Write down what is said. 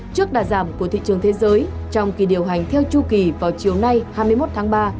trước đà giảm của thị trường thế giới trong kỳ điều hành theo chu kỳ vào chiều nay hai mươi một tháng ba